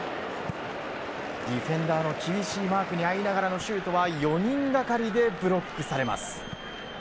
ディフェンダーの厳しいマークにあいながらのシュートは４人がかりでブロックされます。